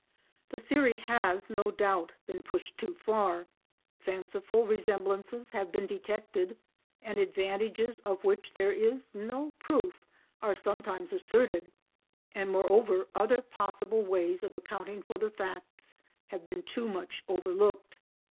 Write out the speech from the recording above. The theory has, no doubt, been pushed too far; fanciful resemblances have been detected and advantages of which there is no proof are sometimes asserted, and moreover other possible ways of accounting for the facts have been too much overlooked.